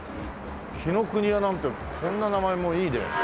「紀伊国屋」なんてこんな名前もいいね。